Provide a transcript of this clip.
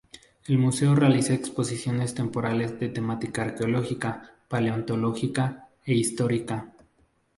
El museo realiza exposiciones temporales de temática arqueológica, paleontológica e histórica.